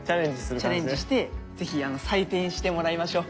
チャレンジしてぜひ採点してもらいましょう。